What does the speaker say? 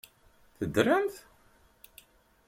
Teddremt?